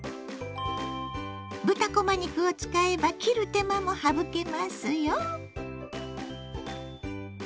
豚こま肉を使えば切る手間も省けますよ。